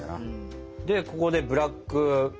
でここでブラック。